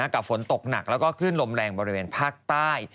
กับฝนตกหนักแล้วก็คลื่นลมแรงบริเวณภาคใต้